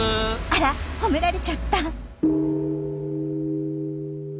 あらっ褒められちゃった。